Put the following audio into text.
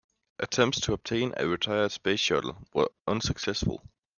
Attempts to obtain a retired Space Shuttle were unsuccessful.